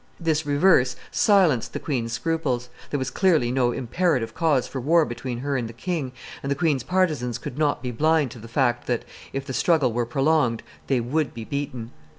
This reverse silenced the queen's scruples; there was clearly no imperative cause for war between her and the king, and the queen's partisans could not be blind to the fact that, if the struggle were prolonged, they would be beaten.